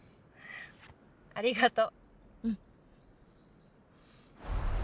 ありがとう。